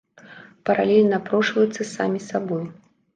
Паралелі напрошваюцца самі сабой.